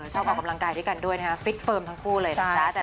ชอบออกกำลังกายด้วยกันด้วยนะคะฟิตเฟิร์มทั้งคู่เลยนะจ๊ะ